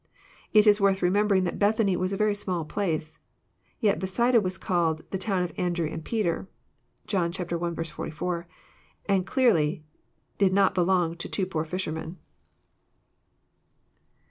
Is is worth remembering that Bethany was a very small place. Yet Bethsalda was called the *' town of Andrew and Peter," (John i. 44,) and clearly did not belong to two poor fishermen.